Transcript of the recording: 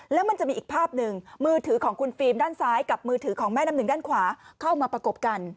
แล้วมันจะมีอีกภาพหนึ่งมือถือของคุณฟิล์มด้านซ้ายกับมือถือของแม่น้ำหนึ่งด้านขวาเข้ามาประกบกัน